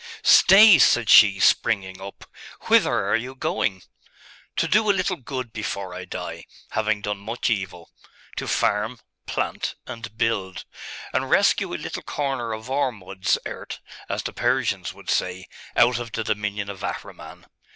'Stay!' said she, springing up: 'whither are you going?' 'To do a little good before I die, having done much evil. To farm, plant, and build, and rescue a little corner of Ormuzd's earth, as the Persians would say, out of the dominion of Ahriman.